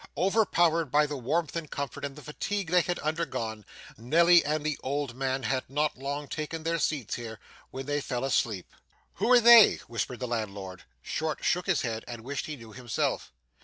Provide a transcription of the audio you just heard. Overpowered by the warmth and comfort and the fatigue they had undergone, Nelly and the old man had not long taken their seats here, when they fell asleep. 'Who are they?' whispered the landlord. Short shook his head, and wished he knew himself.